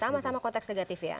sama sama konteks negatif ya